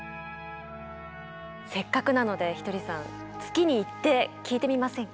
せっかくなのでひとりさん月に行って聞いてみませんか？